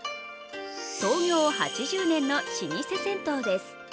創業８０年の老舗銭湯です。